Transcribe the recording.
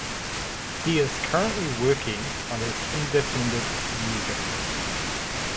He is currently working on his independent music.